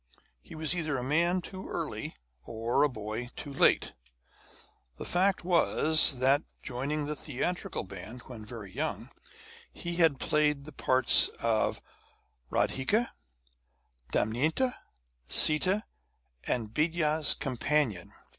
He was either a man too early or a boy too late. The fact was that, joining the theatrical band when very young, he had played the parts of Radhika, Damaynti, Sita, and Bidya's Companion.